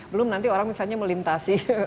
belum nanti orang misalnya melintasi